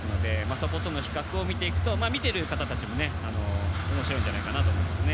そことの比較を見ていくと見ている方たちも面白いんじゃないかなと思いますね。